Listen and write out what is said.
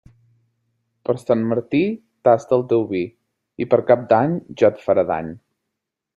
Per Sant Martí, tasta el teu vi, i per Cap d'Any ja et farà dany.